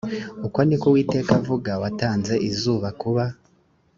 uko ni ko uwiteka avuga watanze izuba kuba